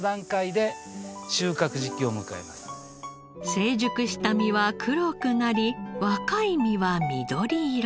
成熟した実は黒くなり若い実は緑色。